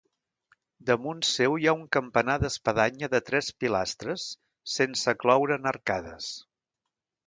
Damunt seu hi ha un campanar d'espadanya de tres pilastres, sense cloure en arcades.